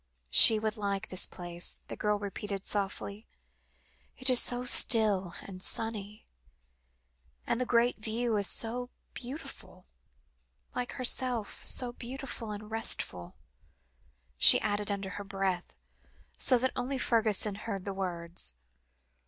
"She would like this place," the girl repeated softly. "It is so still and sunny, and the great view is so beautiful like herself, so beautiful and restful," she added under her breath, so that only Fergusson heard the words.